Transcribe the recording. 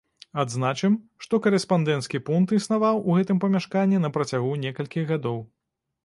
Адзначым, што карэспандэнцкі пункт існаваў у гэтым памяшканні на працягу некалькіх гадоў.